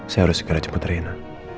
saya harus segera cepat rena